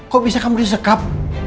kok bisa kamu disekap